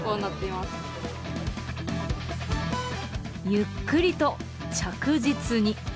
ゆっくりと着実に。